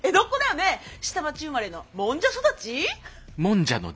下町生まれのもんじゃ育ち？